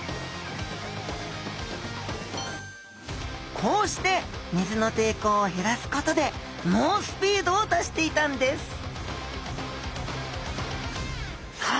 こうして水の抵抗を減らすことで猛スピードを出していたんですさあ